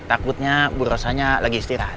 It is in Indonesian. takutnya bu rosanya lagi istirahat